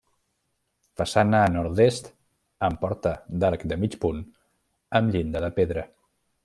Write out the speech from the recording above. Façana a nord-est amb porta d'arc de mig punt amb llinda de pedra.